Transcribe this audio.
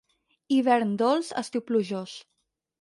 Hivern dolç, estiu plujós.